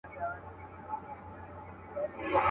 دا له زمان سره جنګیږي ونه.